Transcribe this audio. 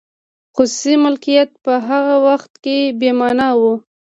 خصوصي مالکیت په هغه وخت کې بې مانا و.